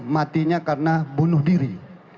matinya karena bunuh diri